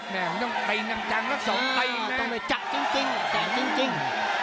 แม่มันต้องเตะอีกหนึ่งจังละสองอ้าวต้องไปจักจริงจริงเตะจริงจริง